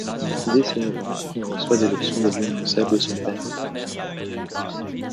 Dès ses neuf ans, il reçoit des leçons de violoncelle de son père.